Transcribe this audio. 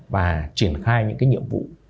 và triển khai những nhiệm vụ